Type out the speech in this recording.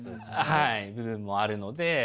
はい部分もあるので。